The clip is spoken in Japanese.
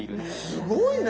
すごいね！